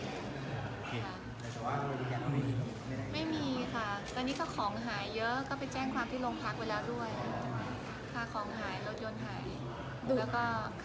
แล้วซลุ้นจอดไว้จอยจะหายประทับนิดนึงแล้วก็